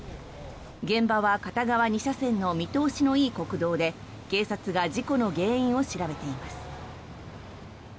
現場は片側２車線の見通しのいい国道で警察が事故の原因を調べています。